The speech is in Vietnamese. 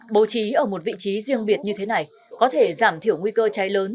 bố trí ở một vị trí riêng biệt như thế này có thể giảm thiểu nguy cơ cháy lớn